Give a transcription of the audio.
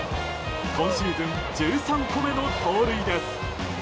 今シーズン１３個目の盗塁です。